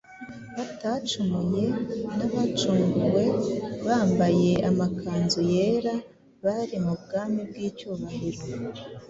batacumuye n’abacunguwe bambaye amakanzu yera bari mu bwami bw’icyubahiro.